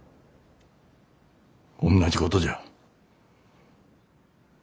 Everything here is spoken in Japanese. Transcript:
おんなじことじゃ。